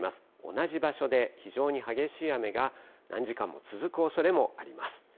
同じ場所で非常に激しい雨が何時間も続くおそれがあります。